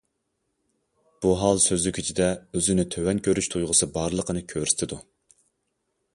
بۇ ھال سۆزلىگۈچىدە ئۆزىنى تۆۋەن كۆرۈش تۇيغۇسى بارلىقىنى كۆرسىتىدۇ.